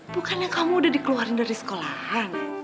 bukannya kamu udah dikeluarin dari sekolahan